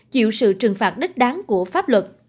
chịu sự trừng phạt đích đáng của pháp luật